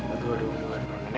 aduh aduh aduh